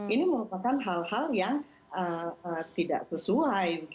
ini merupakan hal hal yang tidak sesuai